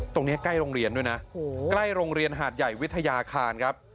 ใกล้โรงเรียนด้วยนะใกล้โรงเรียนหาดใหญ่วิทยาคารครับ